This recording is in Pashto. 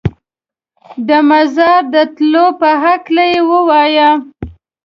د مزار د تلو په هکله یې ووایه.